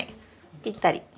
ぴったり。